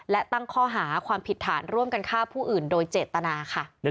และตั้งข้อหาความผิดฐานร่วมกันฆ่าผู้อื่นโดยเจตนาค่ะ